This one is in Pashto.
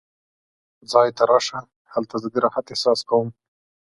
ځای ته راشه، هلته زه د راحت احساس کوم.